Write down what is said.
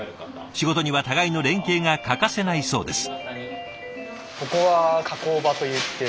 仕事には互いの連携が欠かせないそうです。